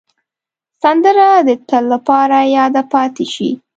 سندره د تل لپاره یاده پاتې شي